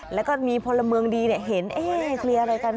แล้วก็มีพลเมืองดีเห็นเคลียร์อะไรกัน